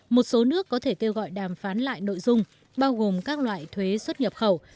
một số nước có thể kêu gọi đàm phán lại nội dung bao gồm các loại thuế xuất nhập khẩu